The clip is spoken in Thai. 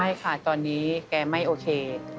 ใช่ค่ะตอนนี้แกไม่โอเค